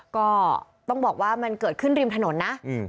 ก็ต้องบอกว่ามันเกิดขึ้นริมถนนนะ